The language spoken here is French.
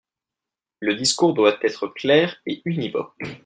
Le discours doit être clair et univoque.